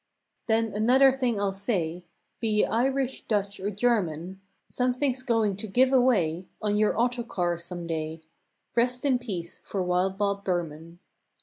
Then, another thing I'll say— Be ye Irish, Dutch or German; Something's going to give away On your auto car some day; "Rest in peace" for "Wild Bob" Burman.